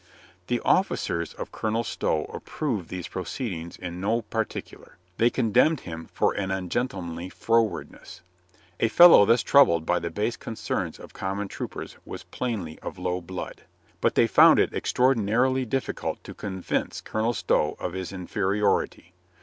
The officers of Colonel Stow approved these pro ceedings in no particular. They condemned him for an ungentlemanly frowardness. A fellow thus trou bled by the base concerns of common troopers was plainly of low blood. But they found it extraordi narily difficult to convince Colonel Stow of his in feriority.